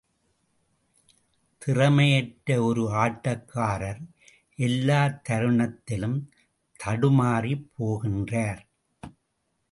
திறமையற்ற ஒரு ஆட்டக்காரர் எல்லா தருணத்திலும் தடுமாறிப் போகின்றார்.